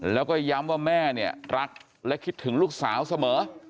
แล้วก็ย้ำว่าแม่เนี่ยรักและคิดถึงลูกสาวเสมอ